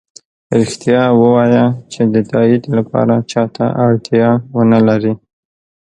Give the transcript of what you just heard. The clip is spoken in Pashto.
ریښتیا ؤوایه چې د تایید لپاره چا ته اړتیا ونه لری